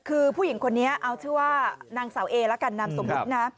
คือผู้หญิงคนนี้เอาชื่อว่านางสาวเอละกันนามสมมุตินะ